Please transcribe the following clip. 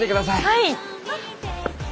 はい。